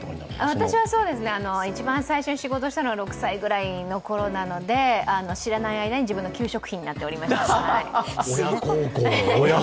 私は一番最初に仕事したのは６歳ぐらいのころなので、知らない間に自分の給食費になってました。